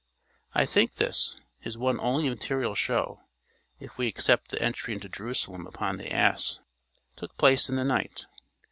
I think this, his one only material show, if we except the entry into Jerusalem upon the ass, took place in the night.